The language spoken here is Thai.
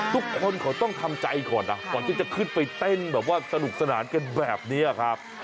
ทุกคนเขาต้องทำใจก่อนนะก่อนที่จะขึ้นไปเต้นแบบว่าสนุกสนานกันแบบนี้ครับ